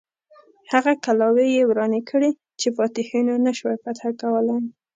هغه کلاوې یې ورانې کړې چې فاتحینو نه سوای فتح کولای.